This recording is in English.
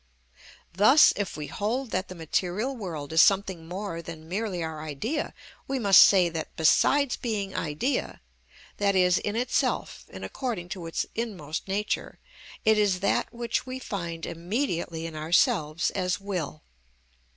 Thus if we hold that the material world is something more than merely our idea, we must say that besides being idea, that is, in itself and according to its inmost nature, it is that which we find immediately in ourselves as will.